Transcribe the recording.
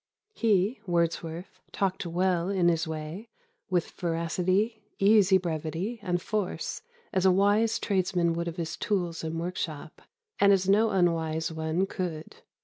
He (Wordsworth) talked well in his way; with veracity, easy brevity, and force, as a wise tradesman would of his tools and workshop, and as no unwise one could.